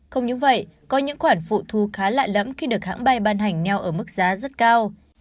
không những vậy có những khoản phụ thu khá lạ lẫm khi được hãng bay ban hành neo ở mức giá rất cao